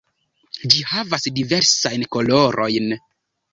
Ĝi havas diversajn kolorojn.